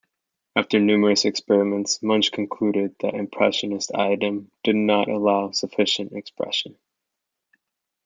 After numerous experiments, Munch concluded that the Impressionist idiom did not allow sufficient expression.